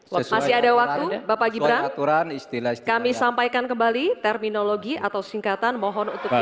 waktu masih ada waktu bapak gibran kami sampaikan kembali terminologi atau singkatan mohon untuk